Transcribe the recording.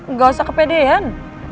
nggak usah kepedean